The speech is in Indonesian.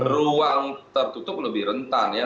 ruang tertutup lebih rentan ya